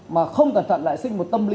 mà không cẩn thận lại sinh một tâm lý